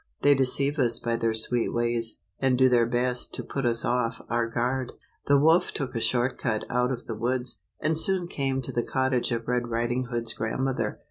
They deceive us by their sweet ways, and do their best to put us off our guard. The wolf took a short cut out of the woods, and soon came to the cottage of Red Riding Hoods grandmother.